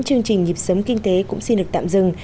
chương trình nhịp sống kinh tế cũng xin được tạm dừng